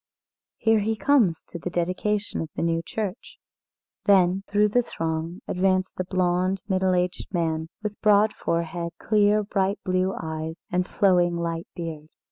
Here he comes to the dedication of the new church." Then, through the throng advanced a blonde, middle aged man, with broad forehead, clear, bright blue eyes, and a flowing light beard.